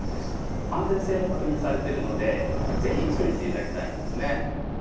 安全性も確認されてるので是非処理して頂きたいんですね。